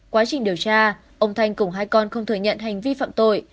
quá trình điều tra ông thanh cùng hai con không thừa nhận hành vi phạm tội